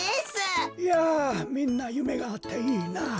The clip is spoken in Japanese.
いやみんなゆめがあっていいなあ。